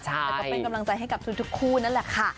แต่ก็เป็นกำลังใจให้กับทุกคู่นั่นแหละค่ะ